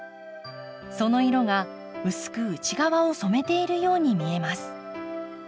その色が薄く内側を染めているように見えます。